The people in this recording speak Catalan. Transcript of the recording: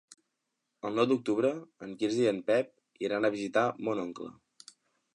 El nou d'octubre en Quirze i en Pep iran a visitar mon oncle.